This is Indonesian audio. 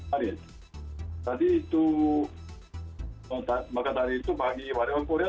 maka dari itu bagi warga korea termasuk saya yang pasti diundurkan adalah kenangan keluarga dan